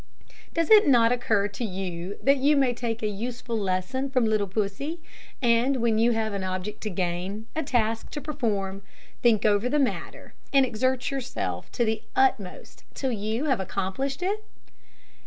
Does it not occur to you that you may take a useful lesson from little Pussy, and when you have an object to gain, a task to perform, think over the matter, and exert yourself to the utmost till you have accomplished it?